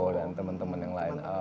dan teman teman yang lain